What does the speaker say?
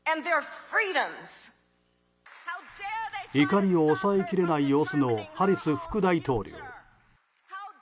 怒りを抑えきれない様子のハリス副大統領。